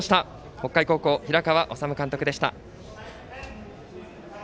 北海高校、平川敦監督でした。